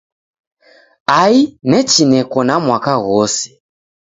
Ai nachi neko na mwaka ghose!